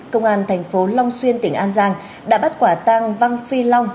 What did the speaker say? công an tp long xuyên tỉnh an giang đã bắt quả tăng văn phi long